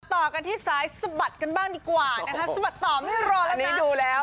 ต่อกันที่สายสะบัดกันบ้างดีกว่านะคะสะบัดต่อไม่รอแล้วไปดูแล้ว